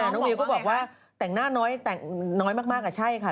น้องมิวก็บอกว่าแต่งหน้าน้อยแต่งน้อยมากใช่ค่ะ